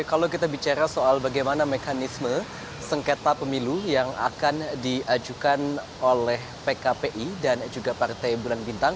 kalau kita bicara soal bagaimana mekanisme sengketa pemilu yang akan diajukan oleh pkpi dan juga partai bulan bintang